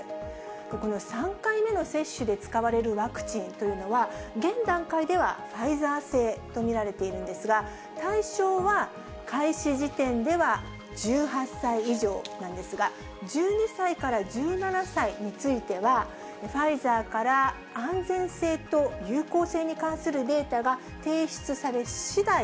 この３回目の接種で使われるワクチンというのは、現段階ではファイザー製と見られているんですが、対象は、開始時点では１８歳以上なんですが、１２歳から１７歳については、ファイザーから安全性と有効性に関するデータが提出されしだい、